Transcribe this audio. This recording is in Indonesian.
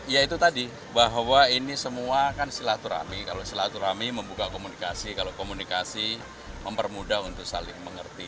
ya itu tadi bahwa ini semua kan silaturahmi kalau silaturahmi membuka komunikasi kalau komunikasi mempermudah untuk saling mengerti